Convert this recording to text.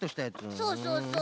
そうそうそう。